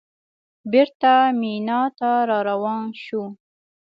بېرته مینا ته راروان شوو.